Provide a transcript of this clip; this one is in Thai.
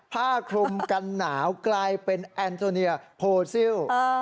ผ้าคลุมกันหนาวกลายเป็นแอนโทเนียโพซิล